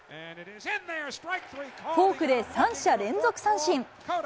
フォークで三者連続三振。